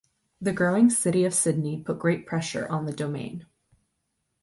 The growing city of Sydney put great pressure on the Domain.